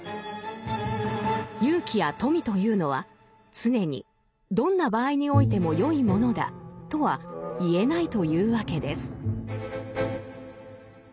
勇気や富というのは常にどんな場合においても善いものだとは言えないというわけです。